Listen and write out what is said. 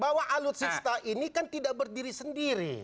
bahwa alutsista ini kan tidak berdiri sendiri